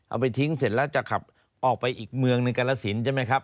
เอาไปทิ้งเสร็จแล้วจะขับออกไปอีกเมืองหนึ่งกรสินใช่ไหมครับ